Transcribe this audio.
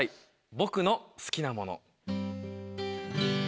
「僕の好きなもの」。